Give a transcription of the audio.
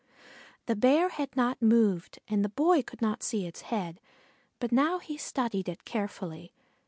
The Bear had not moved and the boy could not see its head, but now he studied it carefully.